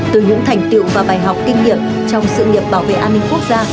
từ những thành tiệu và bài học kinh nghiệm trong sự nghiệp bảo vệ an ninh quốc gia